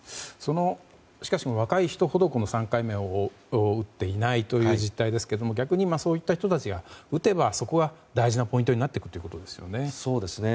しかし若い人ほど３回目を打っていないという実態ですけども逆に、そういった人たちが打てばそこは大事なポイントになってくるということですね。